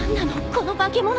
この化け物。